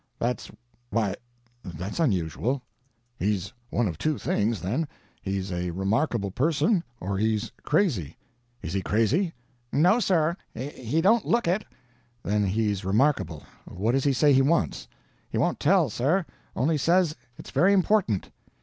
That's why, that's unusual. He's one of two things, then: he's a remarkable person, or he's crazy. Is he crazy?" "No, sir. He don't look it." "Then he's remarkable. What does he say he wants?" "He won't tell, sir; only says it's very important."